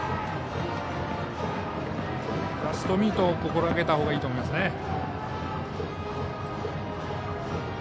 ジャストミートを心がけたほうがいいと思いますね。